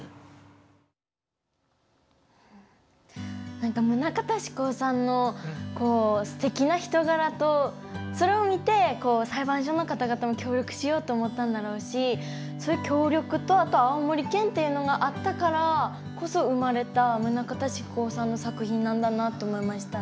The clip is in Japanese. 何か棟方志功さんのこうすてきな人柄とそれを見て裁判所の方々も協力しようと思ったんだろうしそういう協力とあと青森県っていうのがあったからこそ生まれた棟方志功さんの作品なんだなと思いましたね。